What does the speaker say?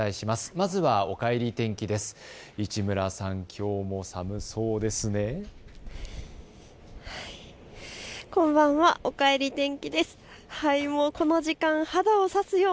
まずはおかえり天気です。